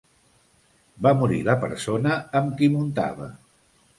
Va morir la persona amb qui muntava.